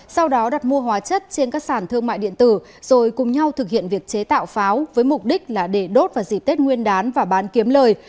sau đó đặt mua hóa chất trên các sản thương mại điện tử rồi cùng nhau thực hiện việc chế tạo pháo với mục đích là để đốt vào dịp tết nguyên đán và bán kiếm lời